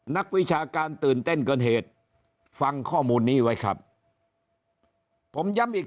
นักวิชาการตื่นเต้นเกินเหตุฟังข้อมูลนี้ไว้ครับผมย้ำอีก